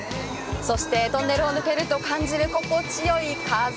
そしてトンネルを抜けると感じる心地よい風。